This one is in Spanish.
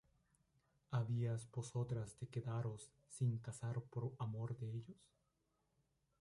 ¿habías vosotras de quedaros sin casar por amor de ellos?